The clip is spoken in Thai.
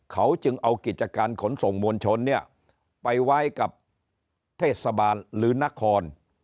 เขาจึงเอากิจการขนส่งมวลชนเนี่ยไปไว้กับเทศบาลหรือนคร